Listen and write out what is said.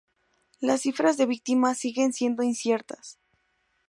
Las cifras de víctimas siguen siendo inciertas.